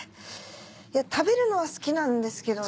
食べるのは好きなんですけどね。